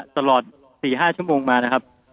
ตลอด๔๕ชั่วโมงมานะครับ